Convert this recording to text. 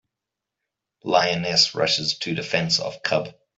Lioness Rushes to Defense of Cub.